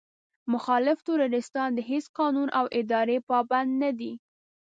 مخالف تروريستان د هېڅ قانون او ادارې پابند نه دي.